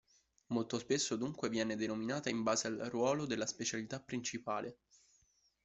Molto spesso dunque viene denominata in base al ruolo della specialità principale.